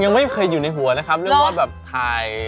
ยังไม่เคยอยู่ในหัวนะครับเรื่องว่าแบบถ่าย